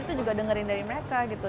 itu juga dengerin dari mereka gitu